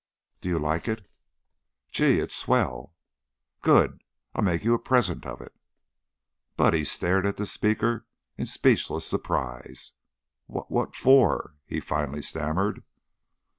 "Do you like it?" "Gee! It's swell!" "Good! I'll make you a present of it." Buddy stared at the speaker in speechless surprise. "What what for?" he finally stammered.